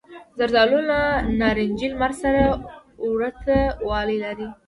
زردالو له نارنجي لمر سره ورته والی لري.